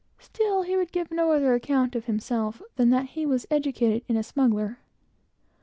Still, he would give no other account of himself than that he was educated in a smuggler.